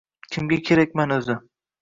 kimga kerakman oʻzi?